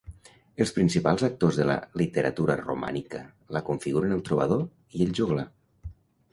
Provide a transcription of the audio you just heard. Els principals actors de la literatura romànica la configuren el trobador i el joglar.